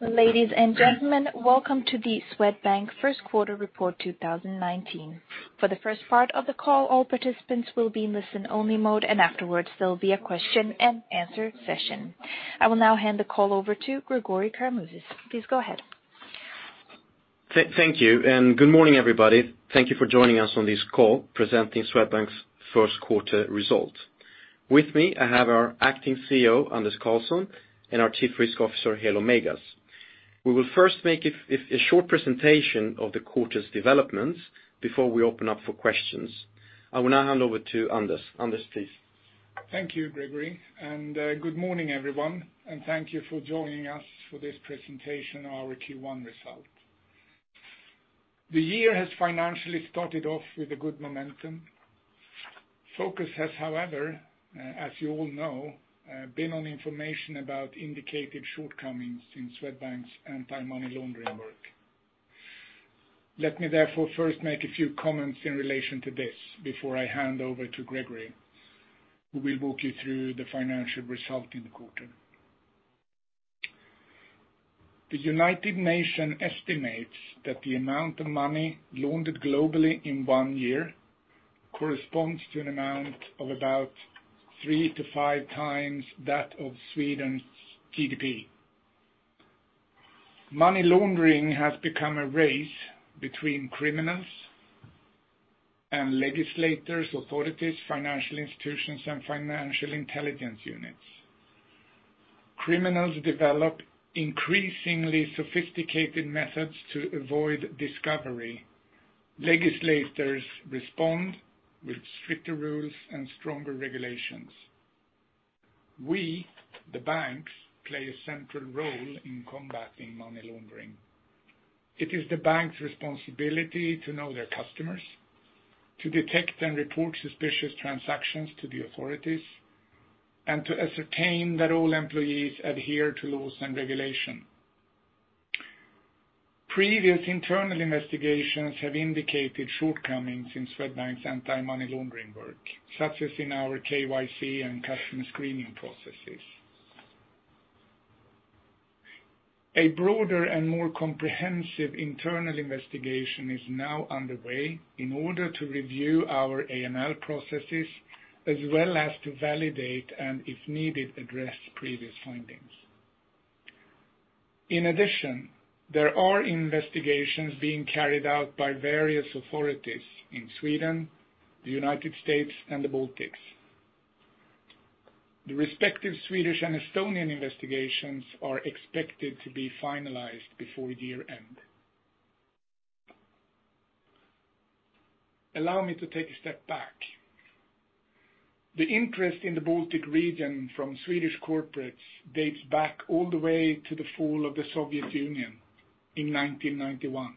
Ladies and gentlemen, welcome to the Swedbank first quarter report 2019. For the first part of the call, all participants will be in listen only mode. Afterwards there will be a question and answer session. I will now hand the call over to Gregori Karamouzis. Please go ahead. Thank you. Good morning, everybody. Thank you for joining us on this call, presenting Swedbank's first quarter results. With me, I have our acting CEO, Anders Karlsson, and our Chief Risk Officer, Helo Meigas. We will first make a short presentation of the quarter's developments before we open up for questions. I will now hand over to Anders. Anders, please. Thank you, Gregori. Good morning, everyone, thank you for joining us for this presentation, our Q1 result. The year has financially started off with a good momentum. Focus has, however, as you all know, been on information about indicated shortcomings in Swedbank's anti-money laundering work. Let me therefore first make a few comments in relation to this before I hand over to Gregori, who will walk you through the financial result in the quarter. The United Nations estimates that the amount of money laundered globally in one year corresponds to an amount of about three to five times that of Sweden's GDP. Money laundering has become a race between criminals and legislators, authorities, financial institutions, and financial intelligence units. Criminals develop increasingly sophisticated methods to avoid discovery. Legislators respond with stricter rules and stronger regulations. We, the banks, play a central role in combating money laundering. It is the bank's responsibility to know their customers, to detect and report suspicious transactions to the authorities, to ascertain that all employees adhere to laws and regulation. Previous internal investigations have indicated shortcomings in Swedbank's anti-money laundering work, such as in our KYC and customer screening processes. A broader and more comprehensive internal investigation is now underway in order to review our AML processes as well as to validate and, if needed, address previous findings. In addition, there are investigations being carried out by various authorities in Sweden, the United States, and the Baltics. The respective Swedish and Estonian investigations are expected to be finalized before year-end. Allow me to take a step back. The interest in the Baltic region from Swedish corporates dates back all the way to the fall of the Soviet Union in 1991.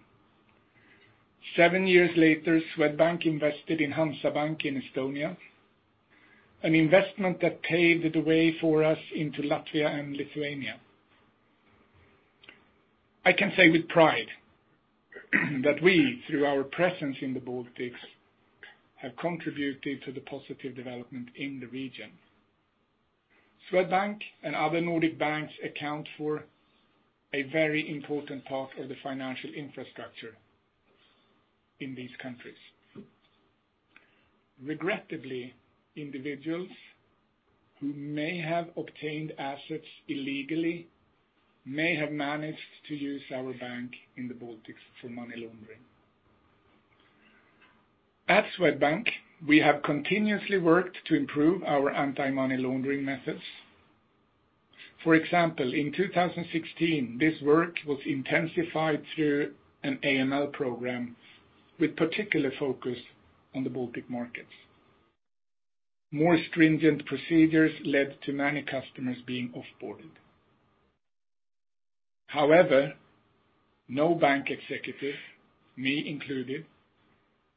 Seven years later, Swedbank invested in Hansabank in Estonia, an investment that paved the way for us into Latvia and Lithuania. I can say with pride that we, through our presence in the Baltics, have contributed to the positive development in the region. Swedbank and other Nordic banks account for a very important part of the financial infrastructure in these countries. Regrettably, individuals who may have obtained assets illegally may have managed to use our bank in the Baltics for money laundering. At Swedbank, we have continuously worked to improve our anti-money laundering methods. For example, in 2016, this work was intensified through an AML program with particular focus on the Baltic markets. More stringent procedures led to many customers being off-boarded. However, no bank executive, me included,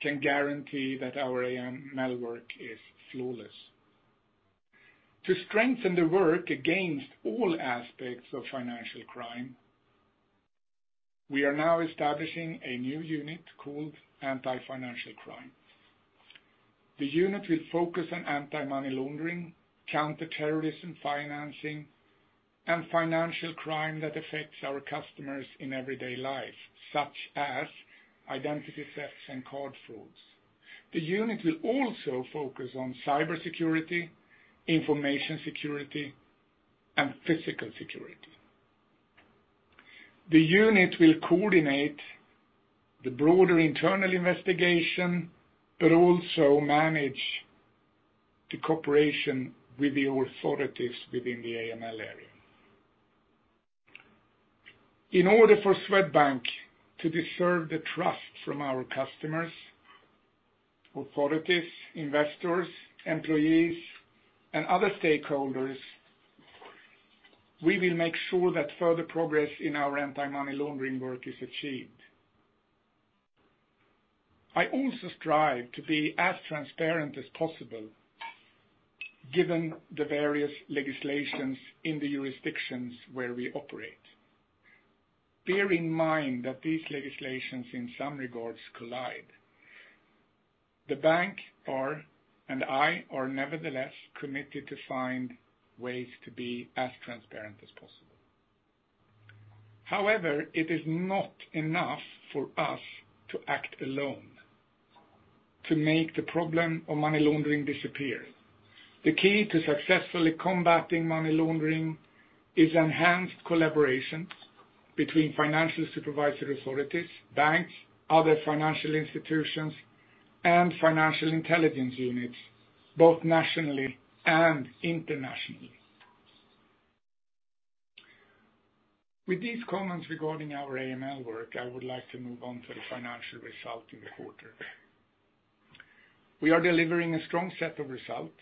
can guarantee that our AML work is flawless. To strengthen the work against all aspects of financial crime, we are now establishing a new unit called Anti-Financial Crime. The unit will focus on anti-money laundering, counter-terrorism financing, and financial crime that affects our customers in everyday life, such as identity thefts and card frauds. The unit will also focus on cybersecurity, information security, and physical security. The unit will coordinate the broader internal investigation, but also manage the cooperation with the authorities within the AML area. In order for Swedbank to deserve the trust from our customers, authorities, investors, employees, and other stakeholders, we will make sure that further progress in our anti-money laundering work is achieved. I also strive to be as transparent as possible given the various legislations in the jurisdictions where we operate. Bear in mind that these legislations in some regards collide. The bank and I are nevertheless committed to find ways to be as transparent as possible. However, it is not enough for us to act alone to make the problem of money laundering disappear. The key to successfully combating money laundering is enhanced collaboration between financial supervisory authorities, banks, other financial institutions, and financial intelligence units, both nationally and internationally. With these comments regarding our AML work, I would like to move on to the financial result in the quarter. We are delivering a strong set of results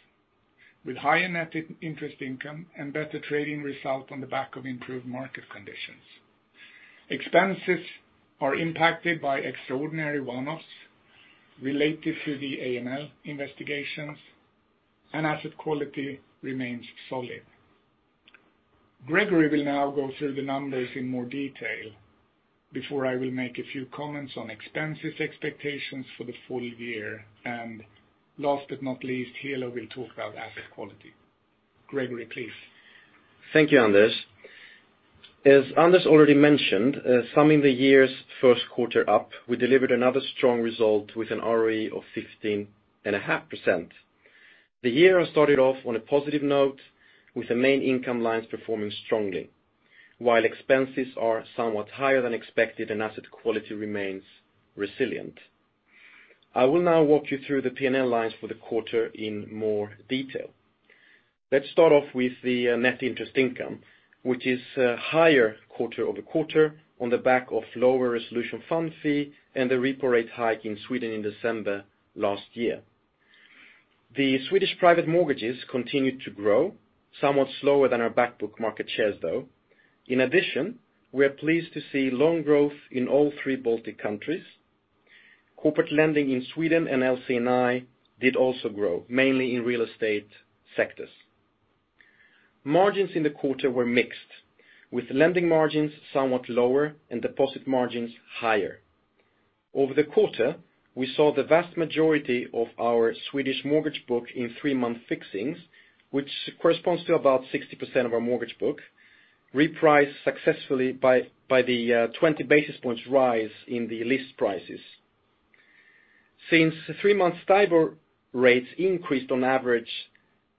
with higher net interest income and better trading results on the back of improved market conditions. Expenses are impacted by extraordinary one-offs related to the AML investigations, and asset quality remains solid. Gregori will now go through the numbers in more detail before I will make a few comments on expenses expectations for the full year. Last but not least, Helo will talk about asset quality. Gregori, please. Thank you, Anders. As Anders already mentioned, summing the year's first quarter up, we delivered another strong result with an ROE of 15.5%. The year started off on a positive note with the main income lines performing strongly, while expenses are somewhat higher than expected and asset quality remains resilient. I will now walk you through the P&L lines for the quarter in more detail. Let's start off with the net interest income, which is higher quarter-over-quarter on the back of lower resolution fund fee and the repo rate hike in Sweden in December last year. The Swedish private mortgages continued to grow, somewhat slower than our back book market shares, though. In addition, we are pleased to see loan growth in all three Baltic countries. Corporate lending in Sweden and LC&I did also grow, mainly in real estate sectors. Margins in the quarter were mixed, with lending margins somewhat lower and deposit margins higher. Over the quarter, we saw the vast majority of our Swedish mortgage book in three-month fixings, which corresponds to about 60% of our mortgage book, reprice successfully by the 20 basis points rise in the lease prices. Since three months STIBOR rates increased on average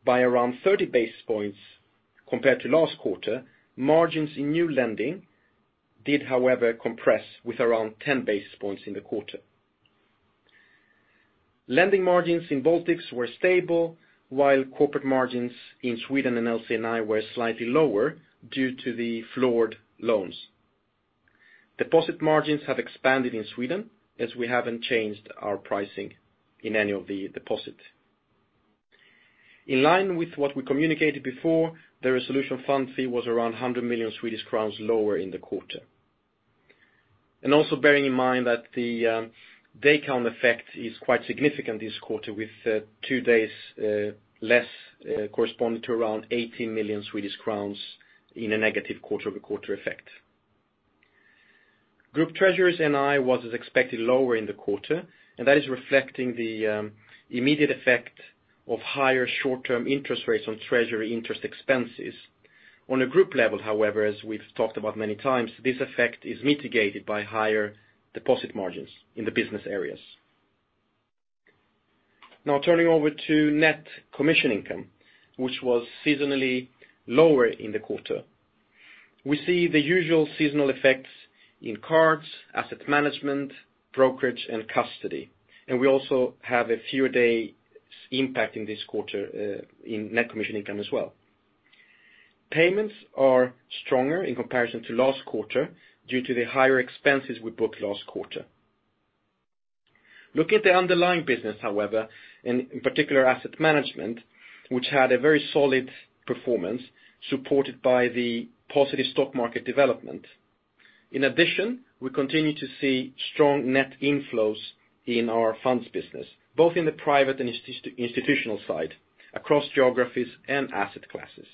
by around 30 basis points compared to last quarter, margins in new lending did, however, compress with around 10 basis points in the quarter. Lending margins in Baltics were stable while corporate margins in Sweden and LC&I were slightly lower due to the floored loans. Deposit margins have expanded in Sweden as we haven't changed our pricing in any of the deposits. In line with what we communicated before, the resolution fund fee was around 100 million Swedish crowns lower in the quarter. Also bearing in mind that the day count effect is quite significant this quarter with two days less corresponding to around 18 million Swedish crowns in a negative quarter-over-quarter effect. Group treasuries NII was as expected lower in the quarter, that is reflecting the immediate effect of higher short-term interest rates on treasury interest expenses. On a group level, however, as we've talked about many times, this effect is mitigated by higher deposit margins in the business areas. Now turning over to net commission income, which was seasonally lower in the quarter. We see the usual seasonal effects in cards, asset management, brokerage, and custody, and we also have a fewer days impact in this quarter in net commission income as well. Payments are stronger in comparison to last quarter due to the higher expenses we booked last quarter. Look at the underlying business, however, in particular asset management, which had a very solid performance supported by the positive stock market development. In addition, we continue to see strong net inflows in our funds business, both in the private and institutional side across geographies and asset classes.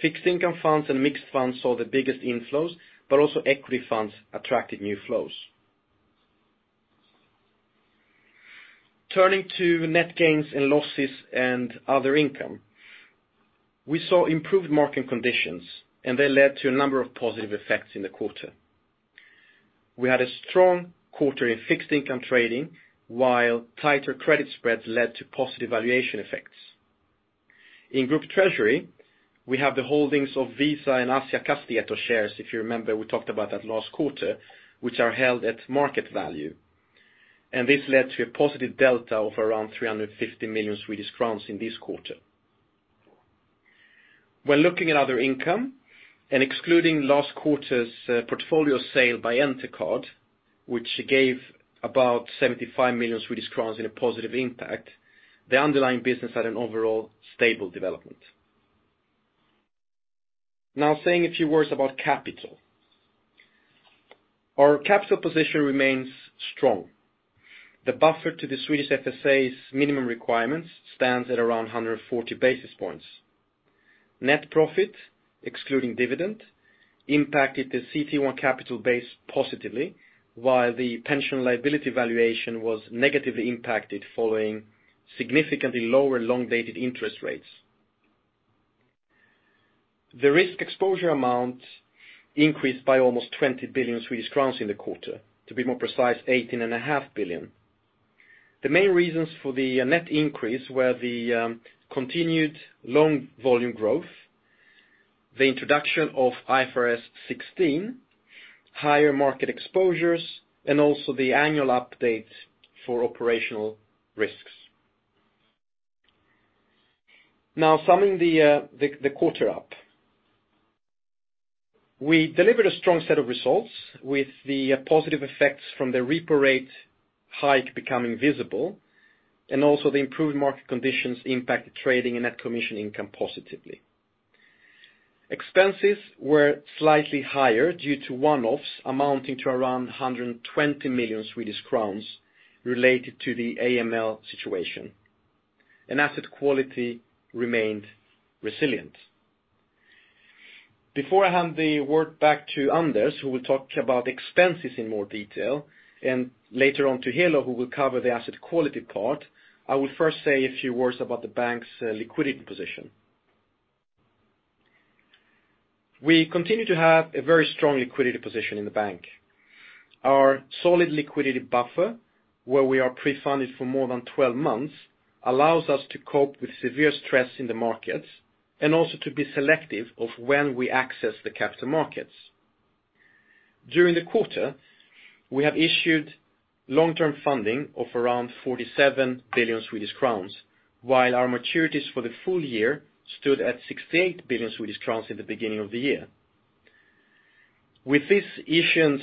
Fixed income funds and mixed funds saw the biggest inflows, but also equity funds attracted new flows. Turning to net gains and losses and other income. We saw improved market conditions, and they led to a number of positive effects in the quarter. We had a strong quarter in fixed income trading while tighter credit spreads led to positive valuation effects. In group treasury, we have the holdings of Visa and Assa Abloy shares, if you remember we talked about that last quarter, which are held at market value. This led to a positive delta of around 350 million Swedish crowns in this quarter. When looking at other income and excluding last quarter's portfolio sale by Entercard, which gave about 75 million Swedish crowns in a positive impact, the underlying business had an overall stable development. Now, saying a few words about capital. Our capital position remains strong. The buffer to the Swedish FSA's minimum requirements stands at around 140 basis points. Net profit excluding dividend impacted the CET1 capital base positively, while the pension liability valuation was negatively impacted following significantly lower long-dated interest rates. The risk exposure amount increased by almost 20 billion Swedish crowns in the quarter. To be more precise, 18.5 billion. The main reasons for the net increase were the continued loan volume growth, the introduction of IFRS 16, higher market exposures, and also the annual update for operational risks. Now summing the quarter up. We delivered a strong set of results with the positive effects from the repo rate hike becoming visible, and also the improved market conditions impacted trading and net commission income positively. Expenses were slightly higher due to one-offs amounting to around 120 million Swedish crowns related to the AML situation. Asset quality remained resilient. Before I hand the word back to Anders, who will talk about expenses in more detail, and later on to Helo, who will cover the asset quality part, I will first say a few words about the bank's liquidity position. We continue to have a very strong liquidity position in the bank. Our solid liquidity buffer, where we are pre-funded for more than 12 months, allows us to cope with severe stress in the markets and also to be selective of when we access the capital markets. During the quarter, we have issued long-term funding of around 47 billion Swedish crowns, while our maturities for the full year stood at 68 billion Swedish crowns in the beginning of the year. With these issuance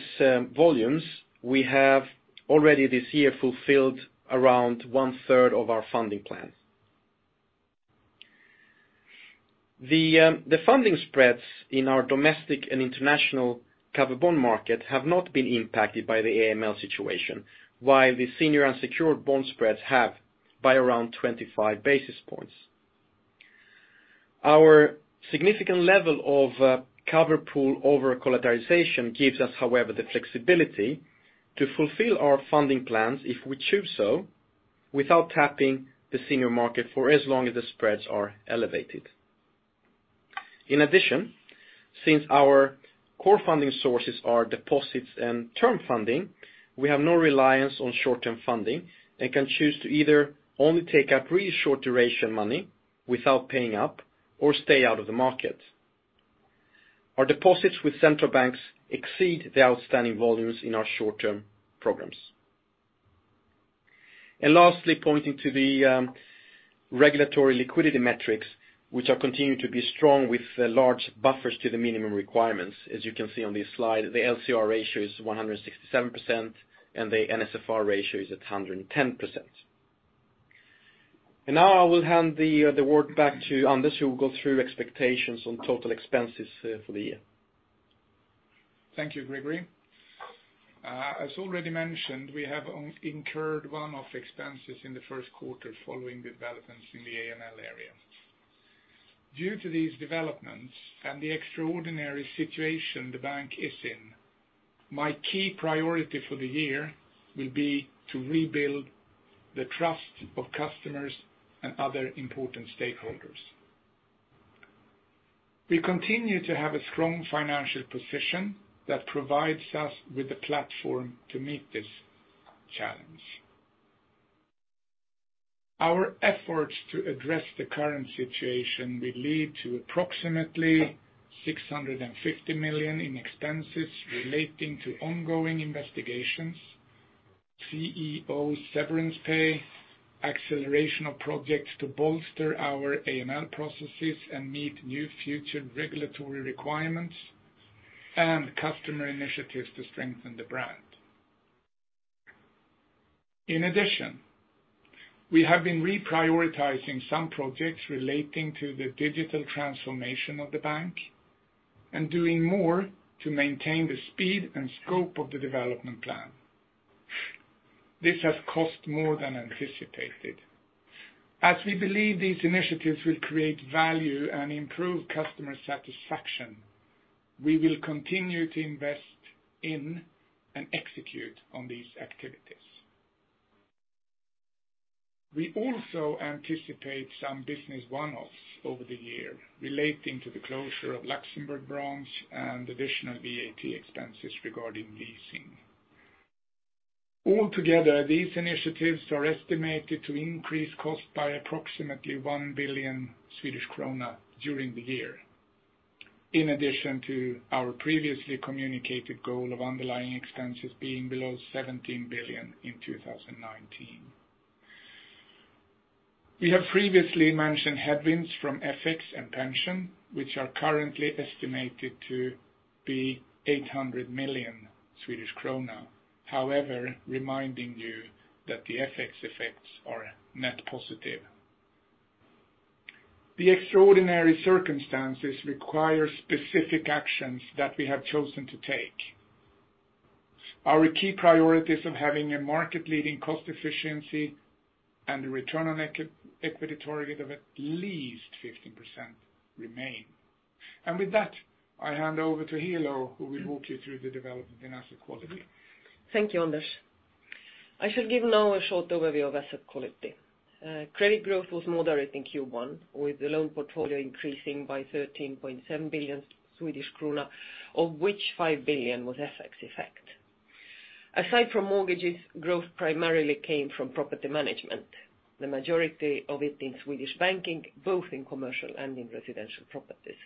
volumes, we have already this year fulfilled around one-third of our funding plan. The funding spreads in our domestic and international covered bond market have not been impacted by the AML situation, while the senior unsecured bond spreads have by around 25 basis points. Our significant level of covered pool over-collateralization gives us, however, the flexibility to fulfill our funding plans if we choose so, without tapping the senior market for as long as the spreads are elevated. In addition, since our core funding sources are deposits and term funding, we have no reliance on short-term funding and can choose to either only take up really short duration money without paying up or stay out of the market. Our deposits with central banks exceed the outstanding volumes in our short-term programs. Lastly, pointing to the regulatory liquidity metrics, which are continuing to be strong with large buffers to the minimum requirements. As you can see on this slide, the LCR ratio is 167% and the NSFR ratio is at 110%. Now I will hand the word back to Anders, who will go through expectations on total expenses for the year. Thank you, Gregori. As already mentioned, we have incurred one-off expenses in the first quarter following developments in the AML area. Due to these developments and the extraordinary situation the bank is in, my key priority for the year will be to rebuild the trust of customers and other important stakeholders. We continue to have a strong financial position that provides us with the platform to meet this challenge. Our efforts to address the current situation will lead to approximately 650 million in expenses relating to ongoing investigations, CEO severance pay, acceleration of projects to bolster our AML processes and meet new future regulatory requirements, and customer initiatives to strengthen the brand. In addition, we have been reprioritizing some projects relating to the digital transformation of the bank and doing more to maintain the speed and scope of the development plan. This has cost more than anticipated. We believe these initiatives will create value and improve customer satisfaction, we will continue to invest in and execute on these activities. We also anticipate some business one-offs over the year relating to the closure of Luxembourg branch and additional VAT expenses regarding leasing. Altogether, these initiatives are estimated to increase cost by approximately 1 billion Swedish krona during the year, in addition to our previously communicated goal of underlying expenses being below 17 billion in 2019. We have previously mentioned headwinds from FX and pension, which are currently estimated to be 800 million Swedish krona. Reminding you that the FX effects are net positive. The extraordinary circumstances require specific actions that we have chosen to take. Our key priorities of having a market-leading cost efficiency and a return on equity target of at least 15% remain. With that, I hand over to Helo, who will walk you through the development in asset quality. Thank you, Anders. I shall give now a short overview of asset quality. Credit growth was moderate in Q1, with the loan portfolio increasing by 13.7 billion Swedish krona, of which 5 billion was FX effect. Aside from mortgages, growth primarily came from property management, the majority of it in Swedish Banking, both in commercial and in residential properties.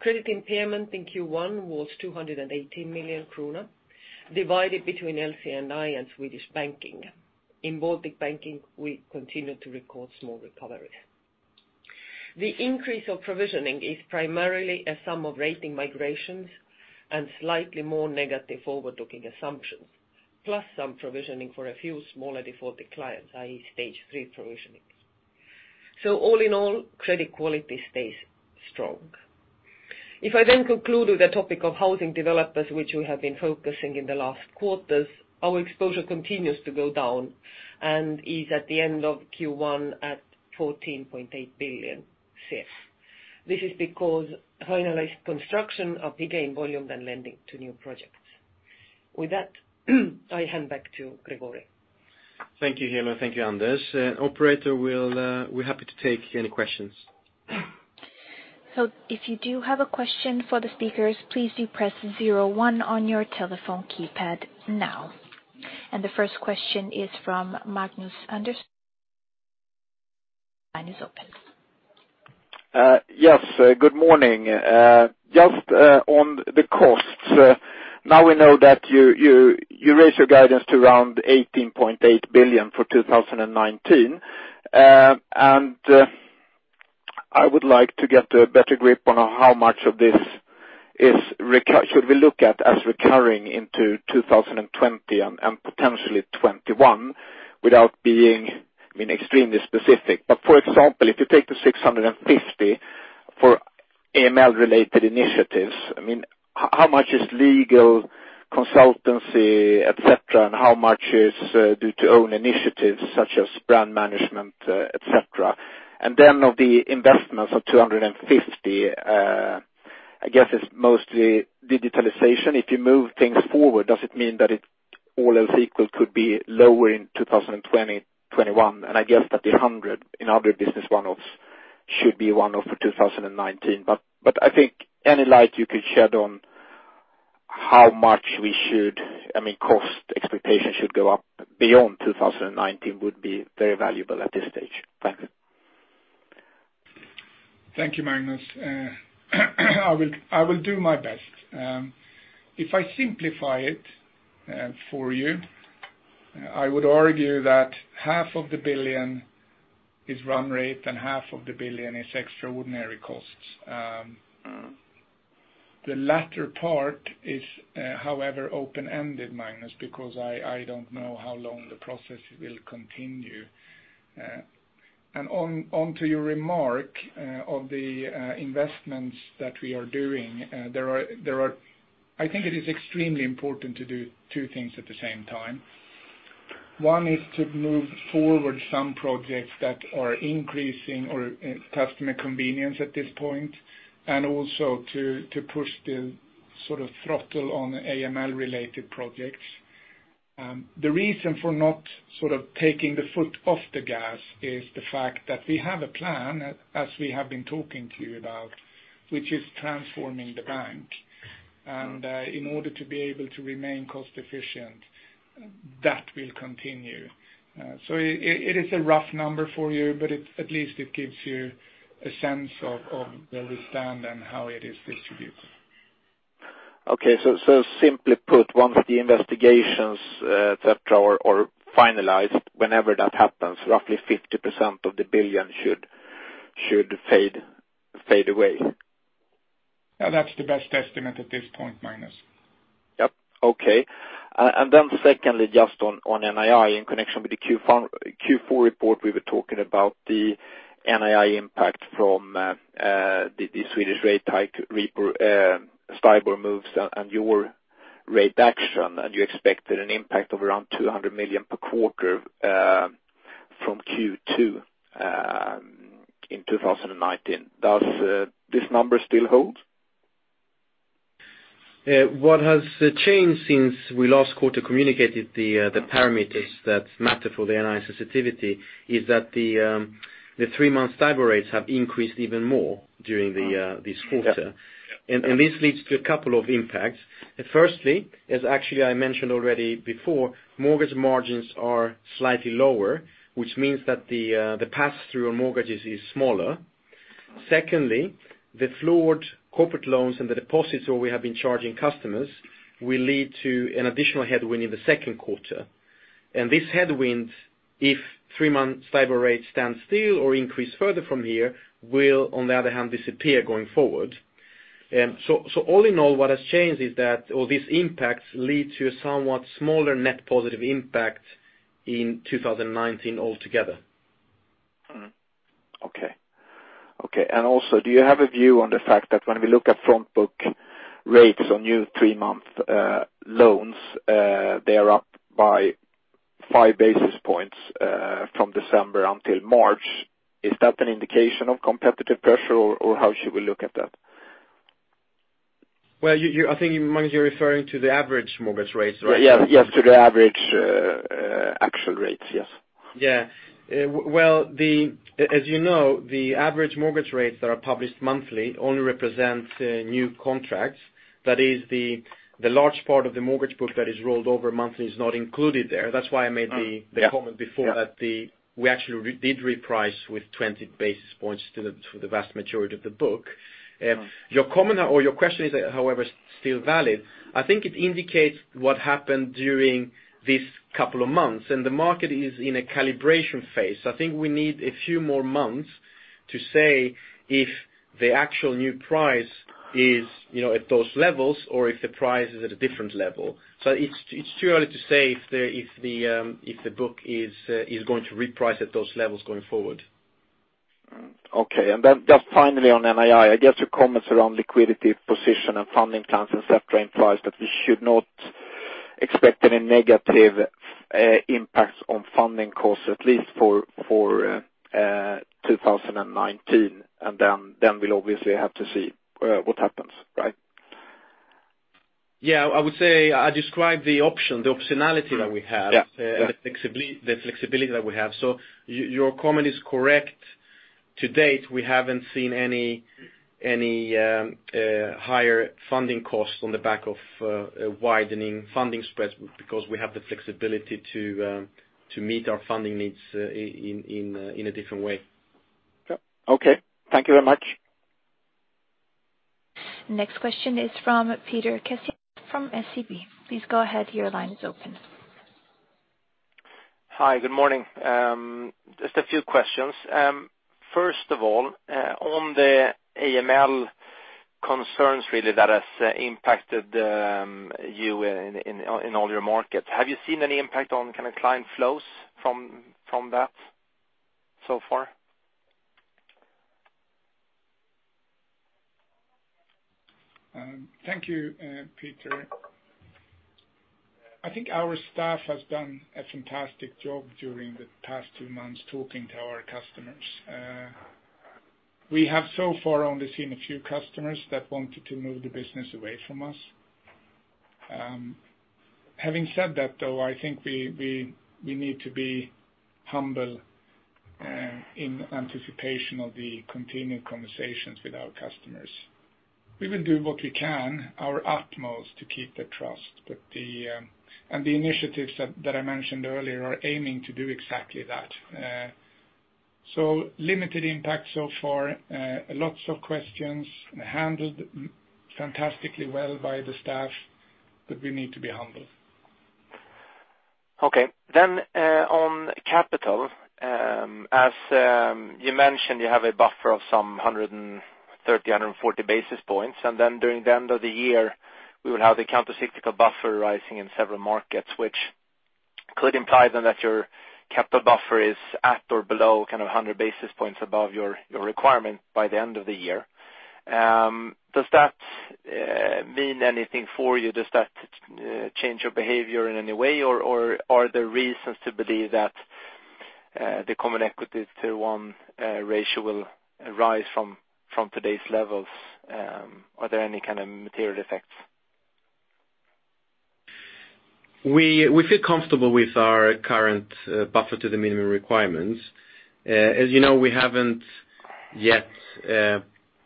Credit impairment in Q1 was 218 million kronor, divided between LC&I and Swedish Banking. In Baltic Banking, we continue to record small recovery. The increase of provisioning is primarily a sum of rating migrations and slightly more negative forward-looking assumptions, plus some provisioning for a few smaller defaulted clients, i.e. Stage 3 provisionings. All in all, credit quality stays strong. If I conclude with the topic of housing developers, which we have been focusing in the last quarters, our exposure continues to go down and is at the end of Q1 at 14.8 billion. This is because finalized construction of bigger volume than lending to new projects. With that, I hand back to Gregori. Thank you, Helo. Thank you, Anders. Operator, we're happy to take any questions. If you do have a question for the speakers, please do press 01 on your telephone keypad now. The first question is from Magnus Andersson. Line is open. Yes. Good morning. Just on the costs. We know that you raised your guidance to around 18.8 billion for 2019. I would like to get a better grip on how much of this should we look at as recurring into 2020 and potentially 2021 without being extremely specific. For example, if you take the 650 for AML-related initiatives, how much is legal consultancy, et cetera, and how much is due to own initiatives such as brand management, et cetera? Of the investments of 250, I guess it's mostly digitalization. If you move things forward, does it mean that it, all else equal, could be lower in 2020, 2021? I guess that the 100 in other business one-offs should be a one-off for 2019. I think any light you could shed on how much cost expectation should go up beyond 2019 would be very valuable at this stage. Thank you. Thank you, Magnus. I will do my best. If I simplify it for you, I would argue that half of the billion is run rate and half of the billion is extraordinary costs. The latter part is, however, open-ended, Magnus, because I don't know how long the process will continue. Onto your remark of the investments that we are doing, I think it is extremely important to do two things at the same time. One is to move forward some projects that are increasing our customer convenience at this point, and also to push the throttle on AML-related projects. The reason for not taking the foot off the gas is the fact that we have a plan, as we have been talking to you about, which is transforming the bank. In order to be able to remain cost-efficient, that will continue. It is a rough number for you, but at least it gives you a sense of where we stand and how it is distributed. Okay. Simply put, once the investigations, et cetera, are finalized, whenever that happens, roughly 50% of the billion should fade away. That's the best estimate at this point, Magnus. Yep. Okay. Secondly, just on NII, in connection with the Q4 report, we were talking about the NII impact from the Swedish rate hike STIBOR moves and your rate action, and you expected an impact of around 200 million per quarter from Q2 in 2019. Does this number still hold? What has changed since we last quarter communicated the parameters that matter for the NII sensitivity is that the three-month STIBOR rates have increased even more during this quarter. Yep. This leads to a couple of impacts. Firstly, as actually I mentioned already before, mortgage margins are slightly lower, which means that the pass-through on mortgages is smaller. Secondly, the floored corporate loans and the deposits where we have been charging customers will lead to an additional headwind in the second quarter. This headwind, if three-month STIBOR rates stand still or increase further from here, will, on the other hand, disappear going forward. All in all, what has changed is that all these impacts lead to a somewhat smaller net positive impact in 2019 altogether. Okay. Do you have a view on the fact that when we look at front book rates on new three-month loans, they are up by five basis points from December until March? Is that an indication of competitive pressure, or how should we look at that? Well, I think you're referring to the average mortgage rates, right? Yes. To the average actual rates. Yes. Yeah. As you know, the average mortgage rates that are published monthly only represent new contracts. That is, the large part of the mortgage book that is rolled over monthly is not included there. That's why I made the comment before that we actually did reprice with 20 basis points to the vast majority of the book. Your question is however still valid. I think it indicates what happened during these couple of months, and the market is in a calibration phase. I think we need a few more months to say if the actual new price is at those levels, or if the price is at a different level. It's too early to say if the book is going to reprice at those levels going forward. Okay. Just finally on NII. I guess your comments around liquidity position and funding plans, et cetera, implies that we should not expect any negative impacts on funding costs, at least for 2019, and then we'll obviously have to see what happens, right? Yeah. I would say I describe the optionality that we have- Yeah the flexibility that we have. Your comment is correct. To date, we haven't seen any higher funding costs on the back of widening funding spreads because we have the flexibility to meet our funding needs in a different way. Okay. Thank you very much. Next question is from Peter Kessiakoff from SEB. Please go ahead. Your line is open. Hi, good morning. Just a few questions. First of all, on the AML concerns really that have impacted you in all your markets. Have you seen any impact on client flows from that so far? Thank you, Peter. I think our staff has done a fantastic job during the past two months talking to our customers. We have so far only seen a few customers that wanted to move the business away from us. Having said that, though, I think we need to be humble in anticipation of the continued conversations with our customers. We will do what we can, our utmost, to keep the trust. The initiatives that I mentioned earlier are aiming to do exactly that. Limited impact so far. Lots of questions handled fantastically well by the staff, we need to be humble. Okay. On capital, as you mentioned, you have a buffer of some 130, 140 basis points. During the end of the year, we will have the countercyclical capital buffer rising in several markets, which could imply that your capital buffer is at or below 100 basis points above your requirement by the end of the year. Does that mean anything for you? Does that change your behavior in any way, or are there reasons to believe that the Common Equity Tier 1 ratio will rise from today's levels? Are there any kind of material effects? We feel comfortable with our current buffer to the minimum requirements. As you know, we haven't yet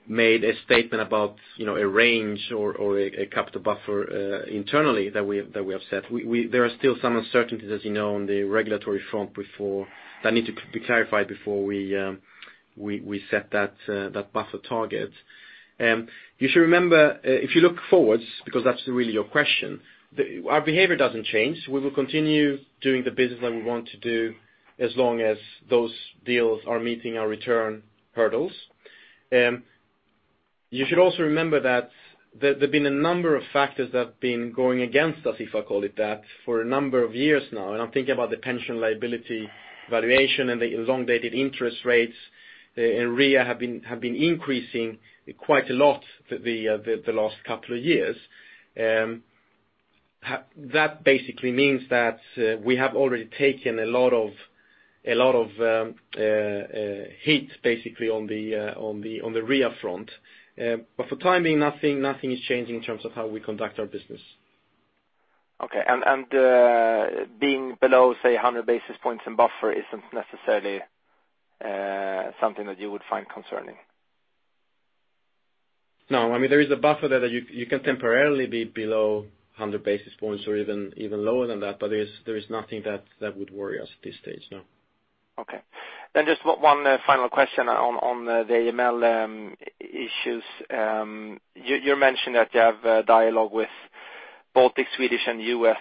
made a statement about a range or a capital buffer internally that we have set. There are still some uncertainties, as you know, on the regulatory front that need to be clarified before we set that buffer target. You should remember, if you look forwards, because that's really your question, our behavior doesn't change. We will continue doing the business that we want to do as long as those deals are meeting our return hurdles. You should also remember that there have been a number of factors that have been going against us, if I call it that, for a number of years now. I'm thinking about the pension liability valuation and the elongated interest rates in REA have been increasing quite a lot the last couple of years. That basically means that we have already taken a lot of hits, basically, on the REA front. For the time being, nothing is changing in terms of how we conduct our business. Okay. Being below, say, 100 basis points in buffer isn't necessarily something that you would find concerning? No. There is a buffer that you can temporarily be below 100 basis points or even lower than that, there is nothing that would worry us at this stage, no. Okay. Just one final question on the AML issues. You mentioned that you have a dialogue with both the Swedish and U.S.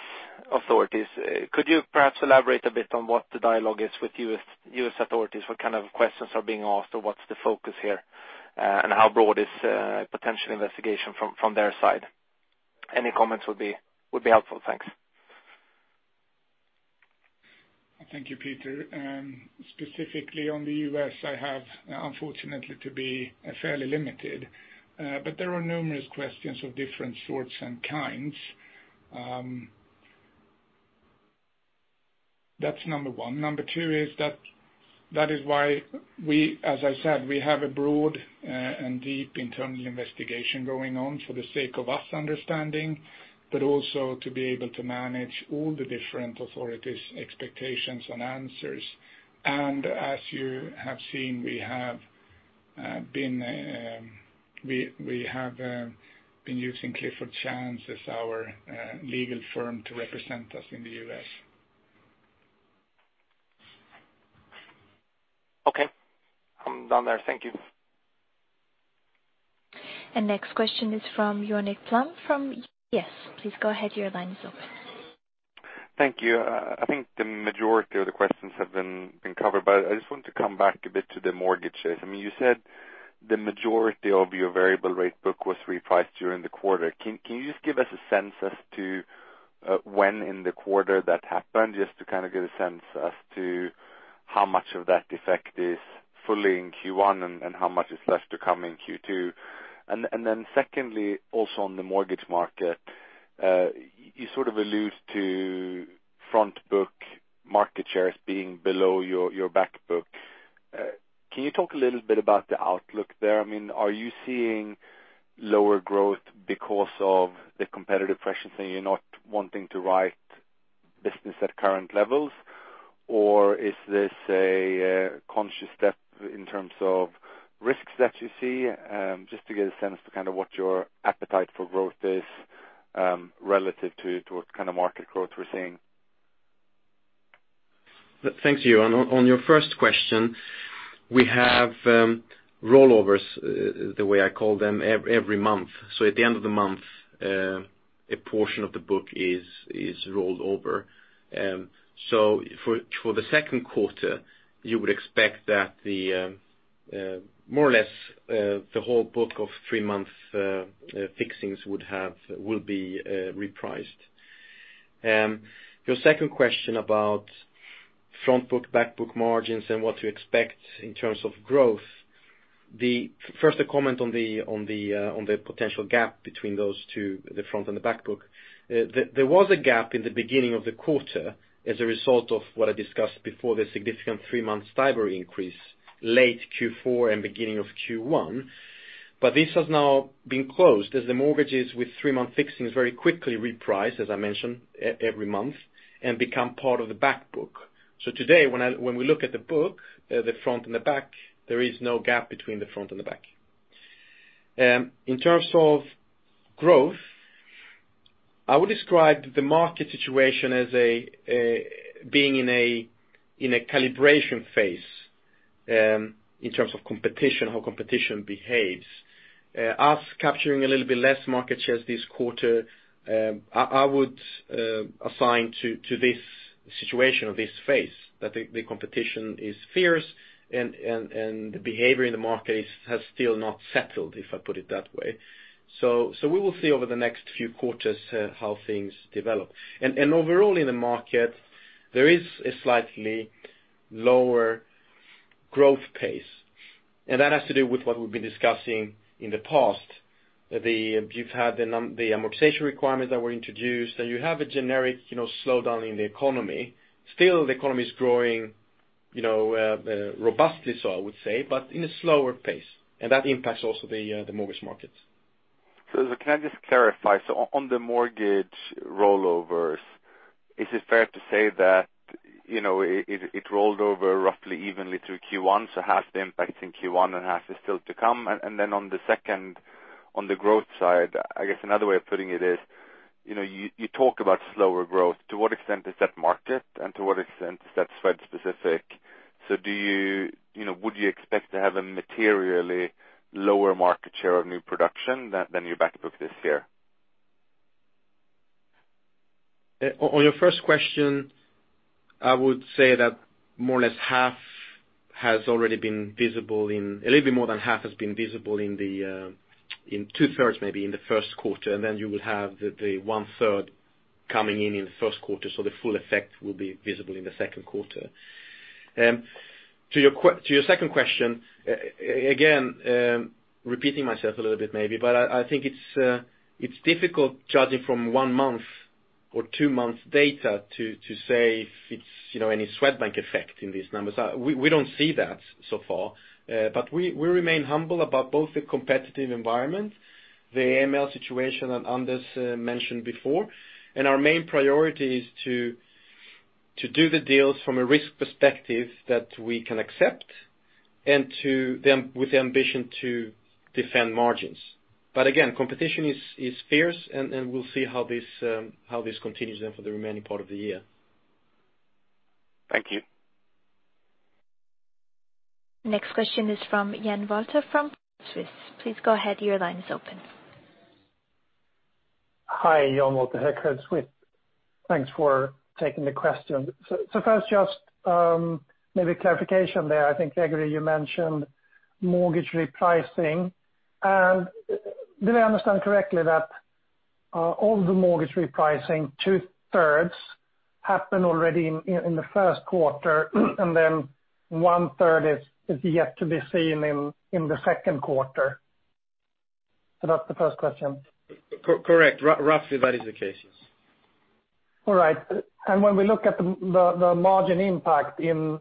authorities. Could you perhaps elaborate a bit on what the dialogue is with U.S. authorities? What kind of questions are being asked, or what's the focus here? How broad is potential investigation from their side? Any comments would be helpful. Thanks. Thank you, Peter. Specifically on the U.S., I have unfortunately to be fairly limited, but there are numerous questions of different sorts and kinds. That is number one. Number two is that is why, as I said, we have a broad and deep internal investigation going on for the sake of us understanding, but also to be able to manage all the different authorities' expectations and answers. As you have seen, we have been using Clifford Chance as our legal firm to represent us in the U.S. Okay. I am done there. Thank you. Next question is from Johan Ekblom from UBS, please go ahead. Your line is open. Thank you. I think the majority of the questions have been covered. I just want to come back a bit to the mortgage shares. You said the majority of your variable rate book was repriced during the quarter. Can you just give us a sense as to when in the quarter that happened? Just to get a sense as to how much of that effect is fully in Q1 and how much is left to come in Q2. Then secondly, also on the mortgage market, you sort of allude to front book market shares being below your back book. Can you talk a little bit about the outlook there? Are you seeing lower growth because of the competitive pressures and you are not wanting to write business at current levels? Or is this a conscious step in terms of risks that you see? Just to get a sense to what your appetite for growth is, relative to what kind of market growth we're seeing. Thanks, Johan. On your first question, we have rollovers, the way I call them, every month. At the end of the month, a portion of the book is rolled over. For the second quarter, you would expect that more or less the whole book of three-month fixings will be repriced. Your second question about front book, back book margins and what to expect in terms of growth. First, a comment on the potential gap between those two, the front and the back book. There was a gap in the beginning of the quarter as a result of what I discussed before, the significant three-month STIBOR increase, late Q4 and beginning of Q1. This has now been closed as the mortgages with three-month fixings very quickly reprice, as I mentioned, every month, and become part of the back book. Today, when we look at the book, the front and the back, there is no gap between the front and the back. In terms of growth, I would describe the market situation as being in a calibration phase, in terms of competition, how competition behaves. Us capturing a little bit less market shares this quarter, I would assign to this situation or this phase, that the competition is fierce and the behavior in the market has still not settled, if I put it that way. We will see over the next few quarters how things develop. Overall in the market, there is a slightly lower growth pace. That has to do with what we've been discussing in the past. You've had the amortization requirements that were introduced, and you have a generic slowdown in the economy. Still, the economy is growing robustly, so I would say, but in a slower pace, and that impacts also the mortgage markets. Can I just clarify? On the mortgage rollovers, is it fair to say that it rolled over roughly evenly through Q1, so half the impact is in Q1 and half is still to come? On the second, on the growth side, I guess another way of putting it is, you talk about slower growth. To what extent is that market and to what extent is that Swed-specific? Would you expect to have a materially lower market share of new production than your back book this year? On your first question, I would say that two-thirds, maybe, has already been visible in the first quarter, and then you will have the one-third coming in in the first quarter. The full effect will be visible in the second quarter. To your second question, again, repeating myself a little bit maybe, but I think it's difficult judging from one month or two months data to say if it's any Swedbank effect in these numbers. We don't see that so far. We remain humble about both the competitive environment, the AML situation that Anders mentioned before, and our main priority is to do the deals from a risk perspective that we can accept, and with the ambition to defend margins. Again, competition is fierce, and we'll see how this continues then for the remaining part of the year. Thank you. Next question is from Jan Wolter from Credit Suisse. Please go ahead, your line is open. Hi, Jan Wolter here, Credit Suisse. Thanks for taking the question. First, just maybe clarification there. I think, Gregori, you mentioned mortgage repricing. Did I understand correctly that of all the mortgage repricing, two-thirds happened already in the first quarter, and then one-third is yet to be seen in the second quarter? That's the first question. Correct. Roughly, that is the case. All right. When we look at the margin impact in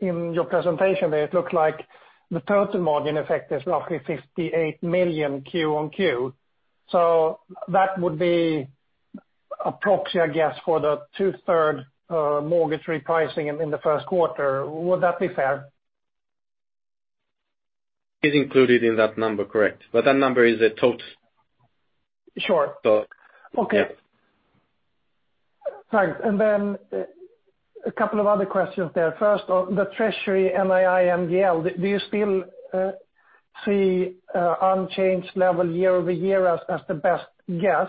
your presentation there, it looks like the total margin effect is roughly 58 million Q on Q. That would be a proxy, I guess, for the two-third mortgage repricing in the first quarter. Would that be fair? It's included in that number, correct. That number is a total. Sure. Yeah. Okay. Thanks. A couple of other questions there. First on the treasury NII and GL, do you still see unchanged level year-over-year as the best guess?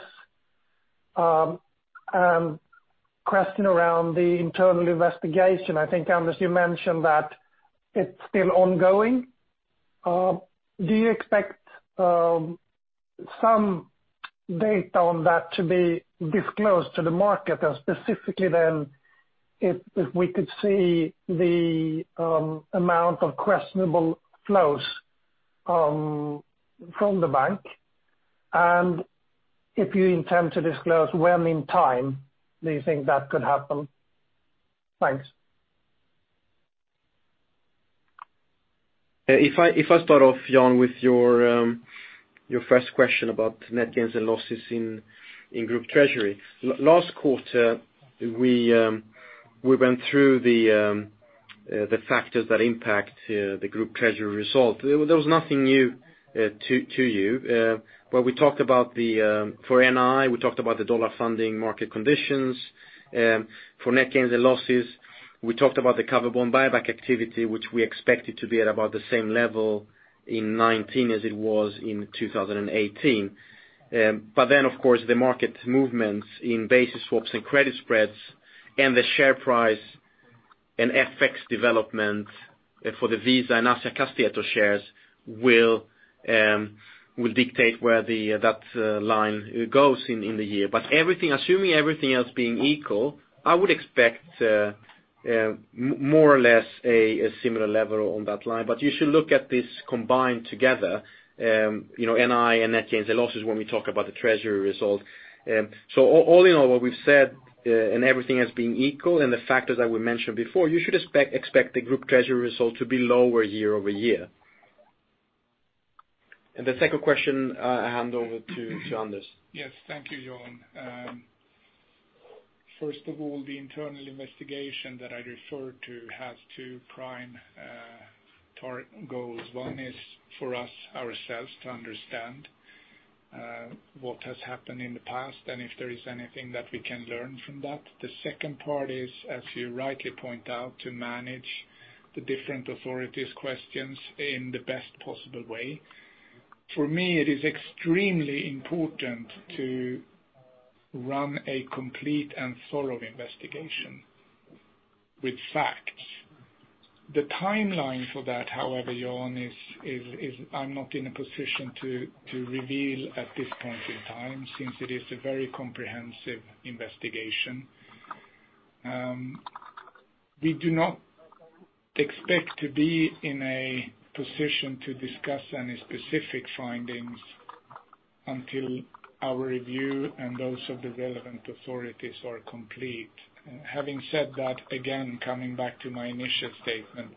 Question around the internal investigation. I think, Anders, you mentioned that it's still ongoing. Do you expect some data on that to be disclosed to the market, and specifically then if we could see the amount of questionable flows from the bank? If you intend to disclose when in time do you think that could happen? Thanks. If I start off, Jan, with your first question about net gains and losses in group treasury. Last quarter, we went through the factors that impact the group treasury result. There was nothing new to you. For NII, we talked about the dollar funding market conditions. For net gains and losses, we talked about the cover bond buyback activity, which we expected to be at about the same level in 2019 as it was in 2018. Of course, the market movements in basis swaps and credit spreads and the share price and FX development for the Visa and Assa Abloy shares will dictate where that line goes in the year. Assuming everything else being equal, I would expect more or less a similar level on that line. You should look at this combined together, NII and net gains and losses when we talk about the treasury result. All in all, what we've said, and everything else being equal and the factors that we mentioned before, you should expect the group treasury result to be lower year-over-year. The second question, I hand over to Anders. Yes. Thank you, Jan. First of all, the internal investigation that I referred to has two prime target goals. One is for us, ourselves, to understand what has happened in the past and if there is anything that we can learn from that. The second part is, as you rightly point out, to manage the different authorities' questions in the best possible way. For me, it is extremely important to run a complete and thorough investigation with facts. The timeline for that, however, Jan, I'm not in a position to reveal at this point in time since it is a very comprehensive investigation. We do not expect to be in a position to discuss any specific findings until our review and those of the relevant authorities are complete. Having said that, again, coming back to my initial statement,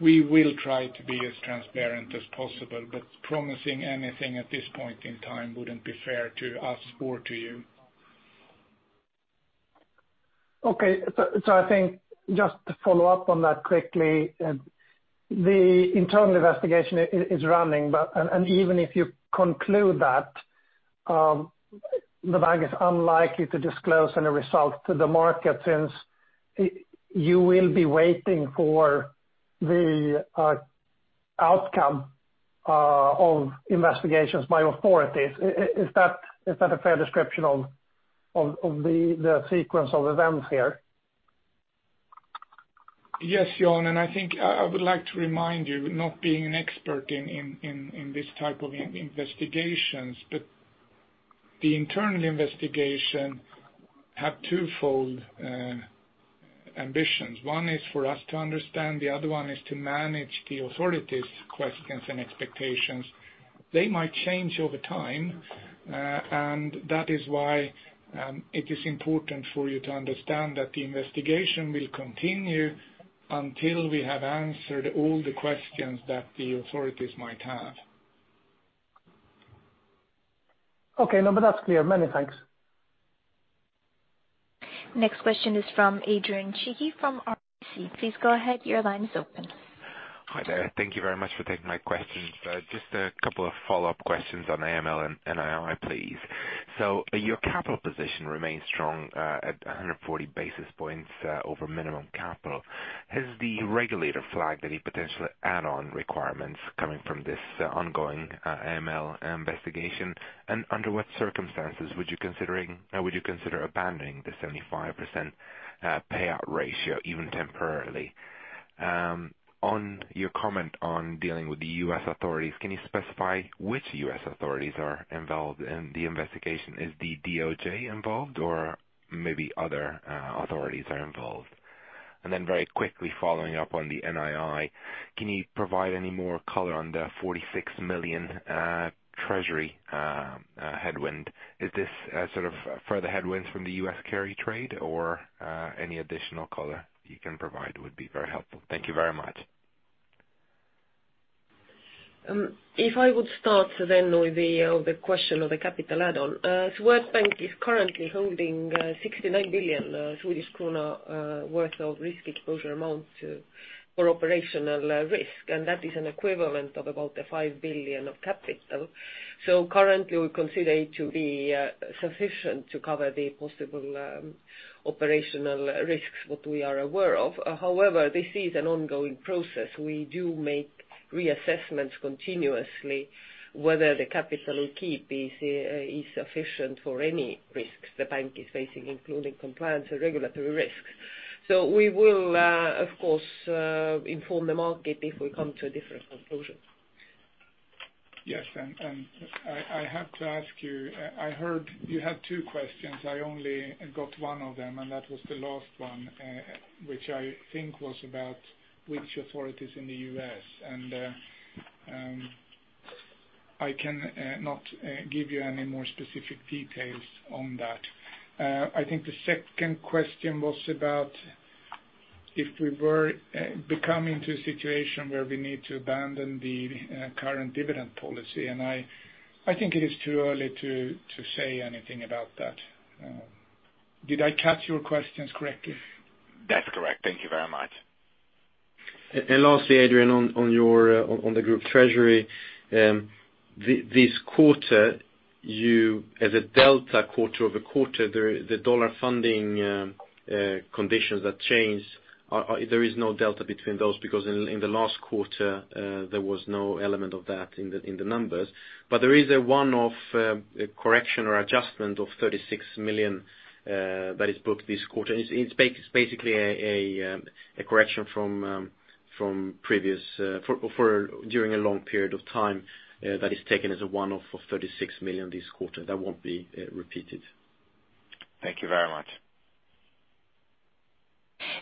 we will try to be as transparent as possible, but promising anything at this point in time wouldn't be fair to us or to you. Okay. I think just to follow up on that quickly, the internal investigation is running. Even if you conclude that, the bank is unlikely to disclose any results to the market since you will be waiting for the outcome of investigations by authorities. Is that a fair description of the sequence of events here? Yes, Jan, I think I would like to remind you, not being an expert in this type of investigations, but the internal investigation have twofold ambitions. One is for us to understand, the other one is to manage the authorities' questions and expectations. They might change over time, and that is why it is important for you to understand that the investigation will continue until we have answered all the questions that the authorities might have. Okay. No, that's clear. Many thanks. Next question is from Adrian Cighi from RBC. Please go ahead. Your line is open. Hi there. Thank you very much for taking my questions. Just a couple of follow-up questions on AML and NII, please. Your capital position remains strong at 140 basis points over minimum capital. Has the regulator flagged any potential add-on requirements coming from this ongoing AML investigation? Under what circumstances would you consider abandoning the 75% payout ratio, even temporarily? On your comment on dealing with the U.S. authorities, can you specify which U.S. authorities are involved in the investigation? Is the DOJ involved or maybe other authorities are involved? Then very quickly following up on the NII, can you provide any more color on the $46 million treasury headwind? Is this further headwinds from the U.S. carry trade or any additional color you can provide would be very helpful. Thank you very much. If I would start with the question of the capital add-on. Swedbank is currently holding 69 billion Swedish krona worth of risk exposure amounts for operational risk, and that is an equivalent of about 5 billion of capital. Currently we consider it to be sufficient to cover the possible operational risks that we are aware of. However, this is an ongoing process. We do make reassessments continuously whether the capital keep is sufficient for any risks the bank is facing, including compliance and regulatory risks. We will, of course, inform the market if we come to a different conclusion. Yes, I have to ask you, I heard you have two questions. I only got one of them, and that was the last one, which I think was about which authorities in the U.S. I cannot give you any more specific details on that. I think the second question was about if we were to come into a situation where we need to abandon the current dividend policy. I think it is too early to say anything about that. Did I catch your questions correctly? That's correct. Thank you very much. Lastly, Adrian, on the group treasury. This quarter, you as a delta quarter-over-quarter, the dollar funding conditions that change, there is no delta between those because in the last quarter, there was no element of that in the numbers. There is a one-off correction or adjustment of $36 million that is booked this quarter. It's basically a correction from during a long period of time that is taken as a one-off of $36 million this quarter. That won't be repeated. Thank you very much.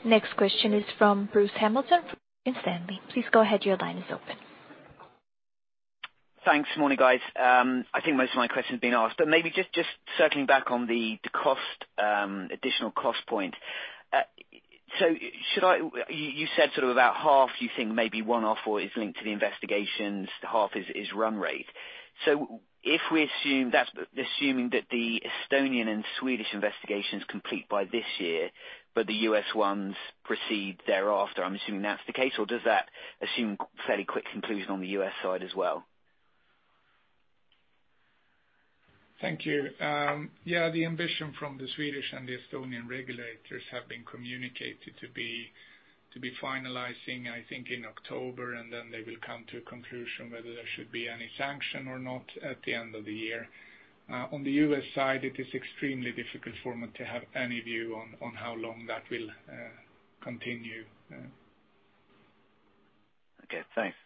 Next question is from Bruce Hamilton from Morgan Stanley. Please go ahead. Your line is open. Thanks. Morning, guys. I think most of my questions have been asked, but maybe just circling back on the additional cost point. You said sort of about half you think may be one-off or is linked to the investigations, half is run rate. If we assume that's assuming that the Estonian and Swedish investigations complete by this year, but the U.S. ones proceed thereafter, I'm assuming that's the case, or does that assume fairly quick conclusion on the U.S. side as well? Thank you. The ambition from the Swedish and the Estonian regulators have been communicated to be finalizing, I think, in October, and then they will come to a conclusion whether there should be any sanction or not at the end of the year. On the U.S. side, it is extremely difficult for me to have any view on how long that will continue. Okay, thanks.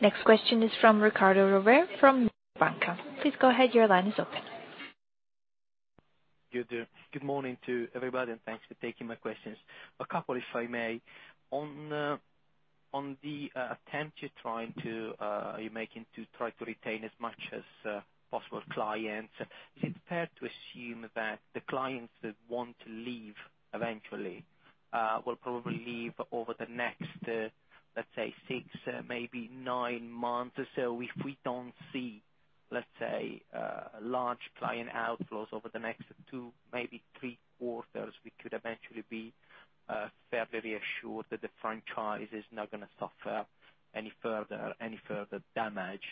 Next question is from Riccardo Rovere from Mediobanca. Please go ahead. Your line is open. Good morning to everybody, thanks for taking my questions. A couple, if I may. On the attempt you're making to try to retain as much as possible clients, is it fair to assume that the clients that want to leave eventually will probably leave over the next, let's say, six, maybe nine months or so? If we don't see, let's say, a large client outflows over the next two, maybe three quarters, we could eventually be fairly reassured that the franchise is not going to suffer any further damage.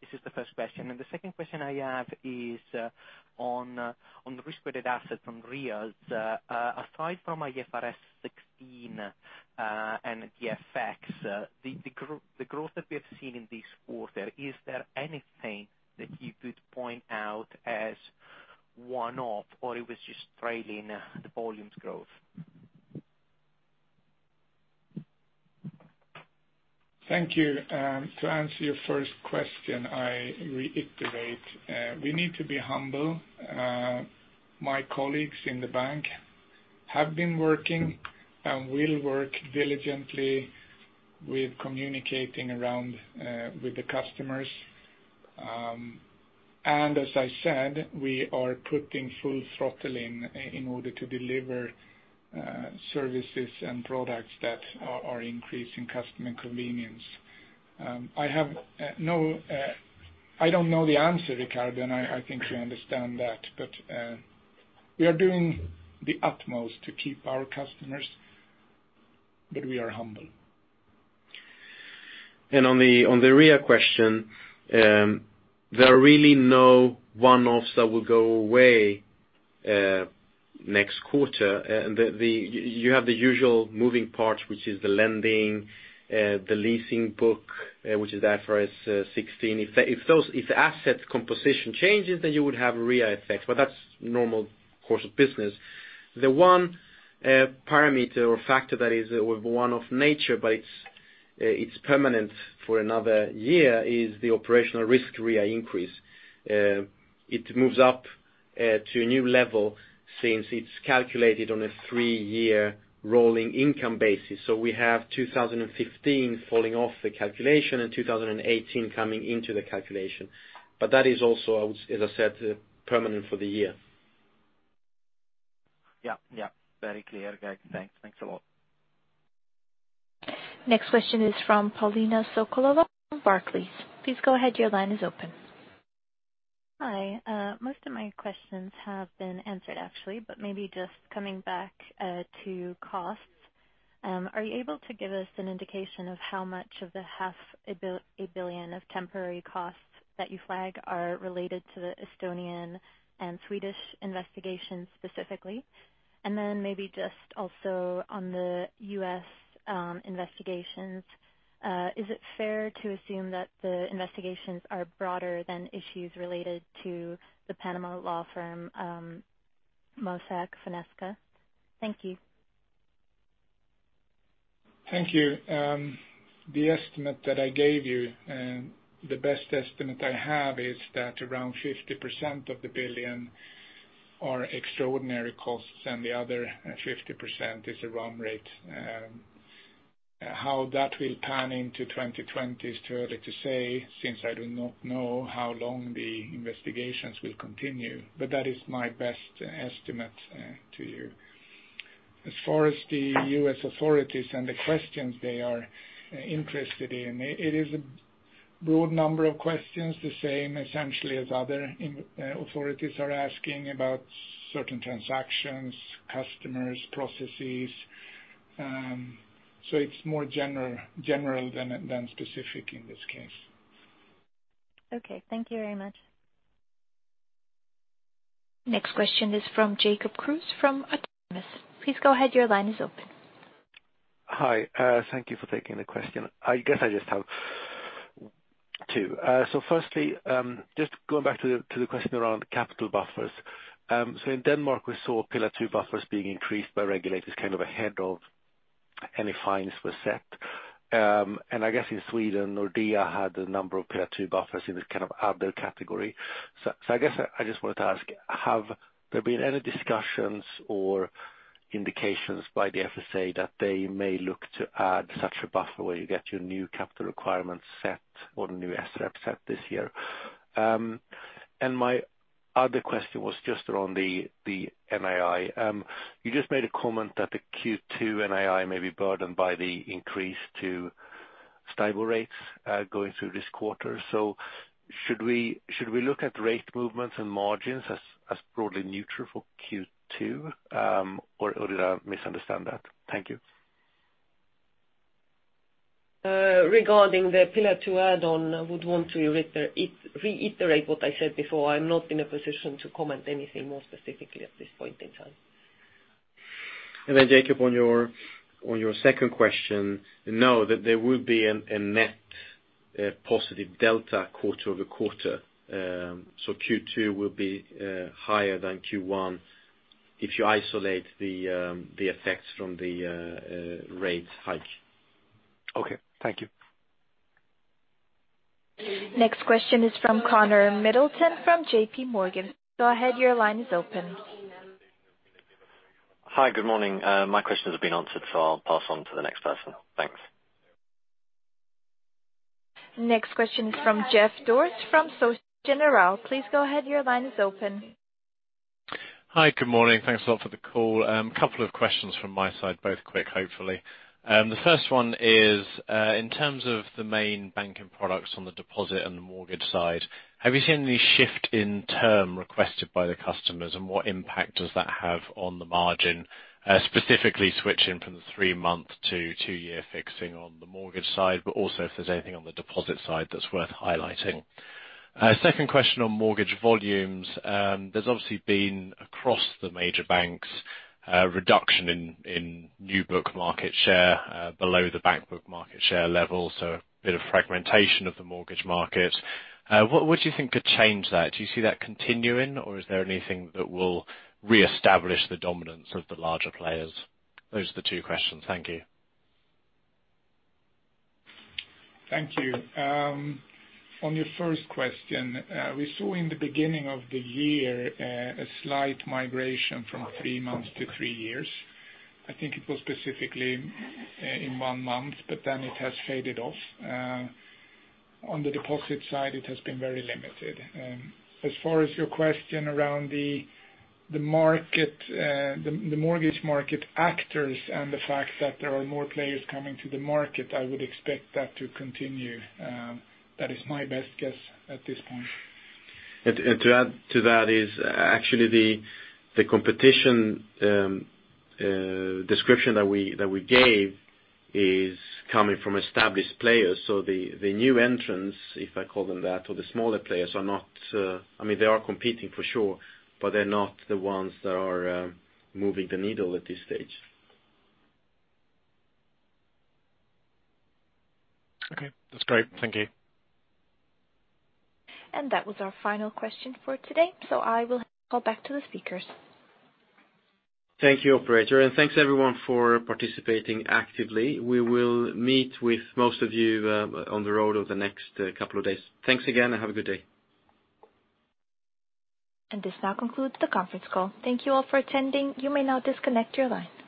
This is the first question. The second question I have is on risk-weighted assets from REAs. Aside from IFRS 16 and the FX, the growth that we have seen in this quarter, is there anything that you could point out as one-off, or it was just trailing the volumes growth? Thank you. To answer your first question, I reiterate, we need to be humble. My colleagues in the bank have been working and will work diligently with communicating around with the customers. As I said, we are putting full throttling in order to deliver services and products that are increasing customer convenience. I don't know the answer, Riccardo, I think you understand that. We are doing the utmost to keep our customers, but we are humble. On the REA question, there are really no one-offs that will go away. Next quarter, you have the usual moving parts, which is the lending, the leasing book, which is IFRS 16. If the asset composition changes, then you would have REA effects, but that's normal course of business. The one parameter or factor that is one of nature, but it's permanent for another year, is the operational risk REA increase. It moves up to a new level since it's calculated on a three-year rolling income basis. We have 2015 falling off the calculation and 2018 coming into the calculation. That is also, as I said, permanent for the year. Yeah. Very clear, Gregori. Thanks a lot. Next question is from Paulina Sokolova from Barclays. Please go ahead, your line is open. Hi. Most of my questions have been answered, actually. Maybe just coming back to costs. Are you able to give us an indication of how much of the half a billion of temporary costs that you flag are related to the Estonian and Swedish investigations specifically? Then maybe just also on the U.S. investigations, is it fair to assume that the investigations are broader than issues related to the Panama law firm, Mossack Fonseca? Thank you. Thank you. The estimate that I gave you, the best estimate I have is that around 50% of the 1 billion are extraordinary costs, and the other 50% is a run rate. How that will pan into 2020 is too early to say, since I do not know how long the investigations will continue. That is my best estimate to you. As far as the U.S. authorities and the questions they are interested in, it is a broad number of questions, the same essentially as other authorities are asking about certain transactions, customers, processes. It is more general than specific in this case. Okay. Thank you very much. Next question is from Jacob Kruse from Autonomous. Please go ahead, your line is open. Hi. Thank you for taking the question. I guess I just have two. Firstly, just going back to the question around capital buffers. In Denmark, we saw Pillar 2 buffers being increased by regulators ahead of any fines were set. I guess in Sweden, Nordea had a number of Pillar 2 buffers in this other category. I guess I just wanted to ask, have there been any discussions or indications by the FSA that they may look to add such a buffer where you get your new capital requirements set or new SREP set this year? My other question was just around the NII. You just made a comment that the Q2 NII may be burdened by the increase to stable rates going through this quarter. Should we look at rate movements and margins as broadly neutral for Q2? Did I misunderstand that? Thank you. Regarding the Pillar 2 add-on, I would want to reiterate what I said before. I'm not in a position to comment anything more specifically at this point in time. Then Jacob, on your second question, no, there will be a net positive delta quarter-over-quarter. Q2 will be higher than Q1 if you isolate the effects from the rate hike. Okay. Thank you. Next question is from Connor Middleton from JP Morgan. Go ahead, your line is open. Hi, good morning. My questions have been answered, I'll pass on to the next person. Thanks. Next question is from Geoff Dawes from Societe Generale. Please go ahead, your line is open. Hi, good morning. Thanks a lot for the call. Couple of questions from my side, both quick, hopefully. The first one is, in terms of the main banking products on the deposit and the mortgage side, have you seen any shift in term requested by the customers, and what impact does that have on the margin? Specifically switching from the three-month to two-year fixing on the mortgage side, also if there's anything on the deposit side that's worth highlighting. Second question on mortgage volumes. There's obviously been across the major banks a reduction in new book market share below the bank book market share level, a bit of fragmentation of the mortgage market. What do you think could change that? Do you see that continuing, or is there anything that will reestablish the dominance of the larger players? Those are the two questions. Thank you. Thank you. On your first question, we saw in the beginning of the year a slight migration from three months to three years. I think it was specifically in one month, but then it has faded off. On the deposit side, it has been very limited. As far as your question around the mortgage market actors and the fact that there are more players coming to the market, I would expect that to continue. That is my best guess at this point. To add to that is actually the competition description that we gave is coming from established players. The new entrants, if I call them that, or the smaller players, they are competing for sure, but they're not the ones that are moving the needle at this stage. Okay. That's great. Thank you. That was our final question for today. I will hand call back to the speakers. Thank you, operator. Thanks, everyone, for participating actively. We will meet with most of you on the road over the next couple of days. Thanks again, and have a good day. This now concludes the conference call. Thank you all for attending. You may now disconnect your line.